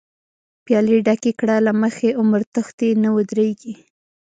پيالی ډکې کړه له مخی، عمر تښتی نه ودريږی